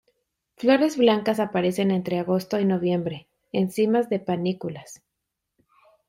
Flores blancas aparecen entre agosto y noviembre, en cimas de panículas.